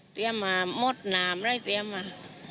เตรียมมาหมดหนามแล้วเตรียมมา